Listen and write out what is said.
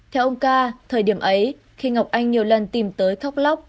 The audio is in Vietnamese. theo ông ca thời điểm ấy khi ngọc anh nhiều lần tìm tới thóc lóc